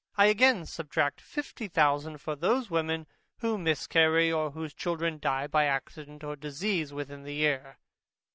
I again subtract fifty thousand, for those women who miscarry, or whose children die by accident or disease within the year.